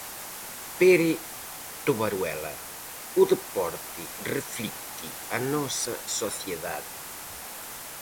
Pere Tobaruela: O deporte reflicte a nosa sociedade.